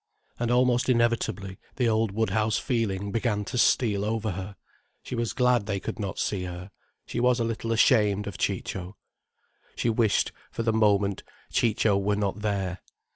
And almost inevitably the old Woodhouse feeling began to steal over her, she was glad they could not see her, she was a little ashamed of Ciccio. She wished, for the moment, Ciccio were not there.